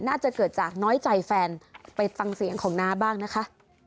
น่าจะเกิดจากน้อยใจแฟนไปฟังเสียงของน้าบ้างนะคะ